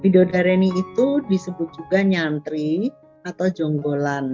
midodareni disebut juga nyantri atau jonggolan